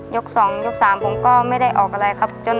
ยก๒ยก๓ผมก็ไม่ได้ออกอะไรครับ